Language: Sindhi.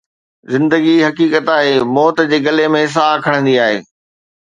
زندگي، حقيقت آهي، موت جي گلي ۾ ساهه کڻندي آهي.